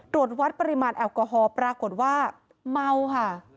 ตรวจวัดปริมาณแอลกอฮอล์ปรากฏว่าเมาค่ะ